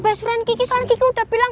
best friend kiki soalnya kiki udah bilang